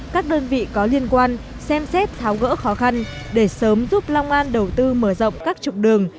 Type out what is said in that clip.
các đơn vị có liên quan xem xét tháo gỡ khó khăn để sớm giúp long an đầu tư mở rộng các trục đường